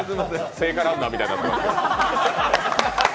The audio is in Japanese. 聖火ランナーみたいになってます。